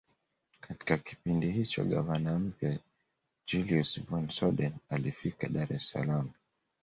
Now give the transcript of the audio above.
Katika kipindi hicho gavana mpya Julius von Soden alifika Dar es salaam